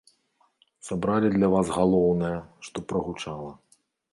Сабралі для вас галоўнае, што прагучала.